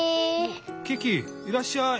キキいらっしゃい。